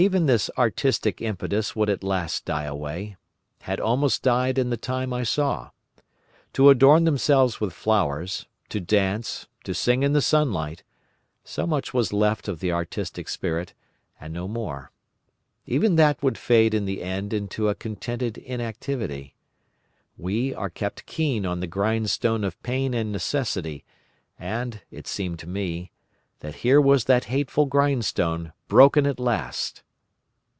"Even this artistic impetus would at last die away—had almost died in the Time I saw. To adorn themselves with flowers, to dance, to sing in the sunlight: so much was left of the artistic spirit, and no more. Even that would fade in the end into a contented inactivity. We are kept keen on the grindstone of pain and necessity, and it seemed to me that here was that hateful grindstone broken at last!